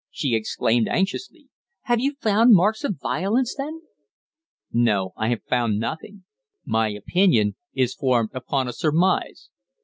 she exclaimed, anxiously. "Have you found marks of violence, then?" "No, I have found nothing. My opinion is formed upon a surmise."